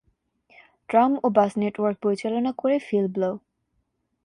Tram ও bus network পরিচালনা করে ফিল ব্লো।